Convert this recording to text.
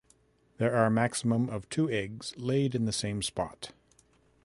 There are maximum of two eggs laid in the same spot.